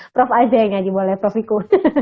prof aja yang nyanyi boleh prof iku